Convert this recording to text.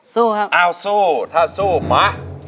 สู้ครับอ้าวสู้ถ้าสู้มา